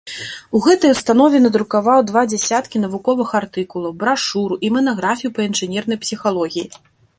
У гэтай установе надрукаваў два дзясяткі навуковых артыкулаў, брашуру і манаграфію па інжынернай псіхалогіі.